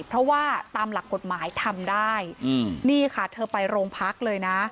เพราะว่าตามหลักกฎหมายทำได้นี่ค่ะเธอไปโรงพักเลยนะ